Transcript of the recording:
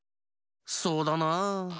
そうだなあ。